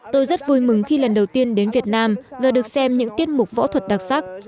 tôi rất vui mừng khi lần đầu tiên đến việt nam và được xem những tiết mục võ thuật đặc sắc